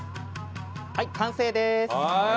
はい完成です。